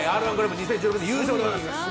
２０１６で優勝でございます。